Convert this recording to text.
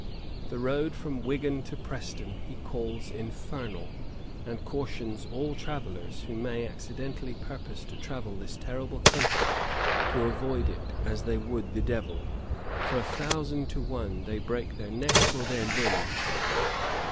The road from Wigan to Preston he calls 'infernal,' and 'cautions all travellers, who may accidentally purpose to travel this terrible country, to avoid it as they would the devil; for a thousand to one they break their necks or their limbs.